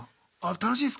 楽しいです。